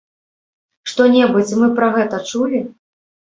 Што-небудзь мы пра гэта чулі?